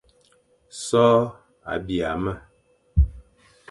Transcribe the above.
So a bîa me,